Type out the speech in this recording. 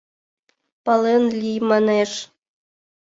Пален лий, манеш.